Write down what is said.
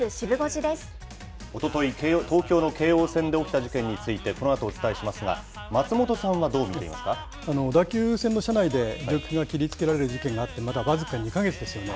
おととい、東京の京王線で起きた事件について、このあとお伝えしますが、小田急線の車内で、乗客が切りつけられる事件があって、まだ僅か２か月ですよね。